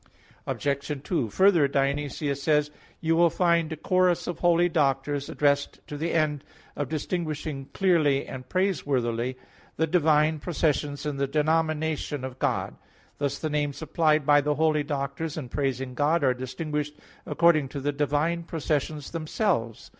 Obj. 2: Further, Dionysius says (Div. Nom. i): "You will find a chorus of holy doctors addressed to the end of distinguishing clearly and praiseworthily the divine processions in the denomination of God." Thus the names applied by the holy doctors in praising God are distinguished according to the divine processions themselves.